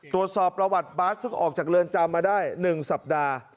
ตรวจสอบประวัติบาสเพิ่งออกจากเรือนจำมาได้๑สัปดาห์